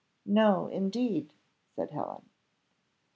"No indeed," said Helen.